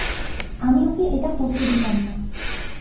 আমি ওকে এটা করতে দিতাম না।